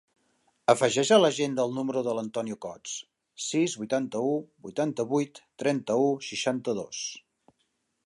Afegeix a l'agenda el número de l'Antonio Cots: sis, vuitanta-u, vuitanta-vuit, trenta-u, seixanta-dos.